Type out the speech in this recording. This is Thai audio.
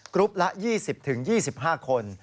รุ๊ปละ๒๐๒๕คน